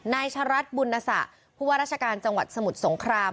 นายชะรัฐบุญนศะผู้ว่าราชการจังหวัดสมุทรสงคราม